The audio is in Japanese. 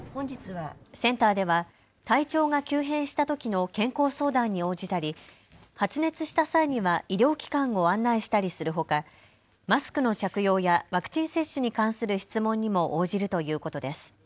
センターでは体調が急変したときの健康相談に応じたり発熱した際には医療機関を案内したりするほかマスクの着用やワクチン接種に関する質問にも応じるということです。